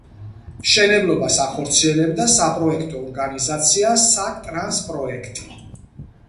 მშენებლობას ახორციელებდა საპროექტო ორგანიზაცია საქტრანსპროექტი.